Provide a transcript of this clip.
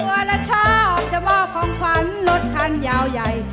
หัวและชอบจะบอกของขวัญลดครันยาวใหญ่